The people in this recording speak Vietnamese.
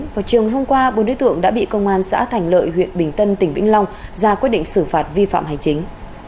vào chiều ngày hôm qua bốn đối tượng đã bị công an xã thành lợi huyện bình tân tỉnh vĩnh long ra quyết định xử phạt vi phạm hành chính